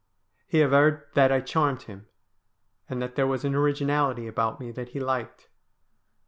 He averred that I charmed him, and that there was an originality about me that he liked.